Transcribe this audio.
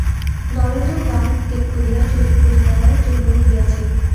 নরেন্দ্র গ্রাম ত্যাগ করিয়া কলিকাতায় চলিয়া গিয়াছে।